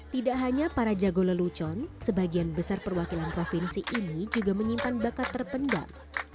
tidak hanya para jago lelucon sebagian besar perwakilan provinsi ini juga menyimpan bakat terpendam